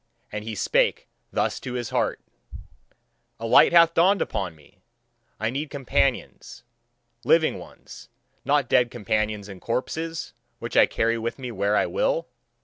And he spake thus to his heart: A light hath dawned upon me: I need companions living ones; not dead companions and corpses, which I carry with me where I will.